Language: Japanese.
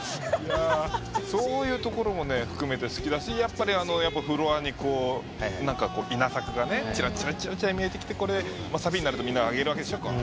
そういうところも含めて好きだしやっぱりフロアに稲作がちらちらちらちら見えてきてサビになるとみんな上げるわけでしょ。